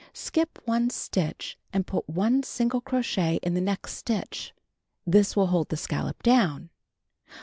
Skip 1 stitch and put 1 single crochet in the next stitch. (This will hold the scallop down.)